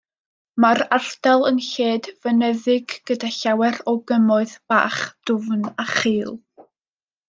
Mae'r ardal yn lled fynyddig gyda llawer o gymoedd bach, dwfn a chul.